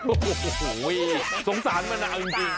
โอ้โหสงสารมะนาวจริง